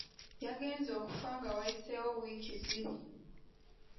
Yagenze okufa nga wayiseewo wiiki bbiri.